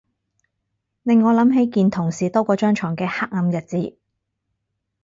令我諗起見同事多過張牀嘅黑暗日子